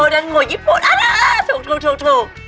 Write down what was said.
ดังโหยี่ปุ่นถูกถูก